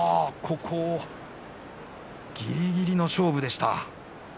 ぎりぎりの勝負でした。